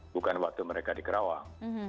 bukan waktu mereka di kerawang